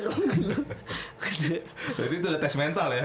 berarti itu ada tes mental ya